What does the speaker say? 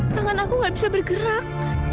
tangan aku gak bisa bergerak